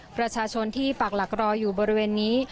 ประชาชนที่ปักหลักรออยู่บริเวณนี้